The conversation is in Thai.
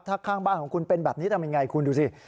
ถ้าข้างบ้านของคุณเป็นแบบนี้ทำยังไงคุณดูสิ